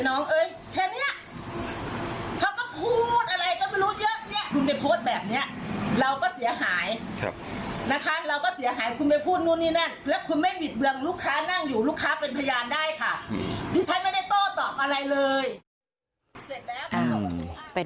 ดิฉันไม่ได้โต้ตอบอะไรเลย